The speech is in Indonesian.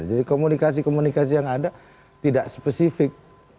jadi komunikasi komunikasi yang ada tidak spesifik